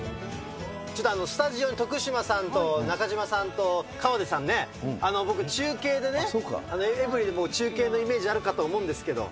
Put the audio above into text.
ちょっとスタジオに、徳島さんと中島さんと河出さんね、僕、中継でエブリィでも中継のイメージあるかと思うんですけど。